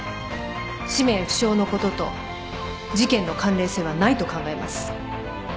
氏名不詳のことと事件の関連性はないと考えます。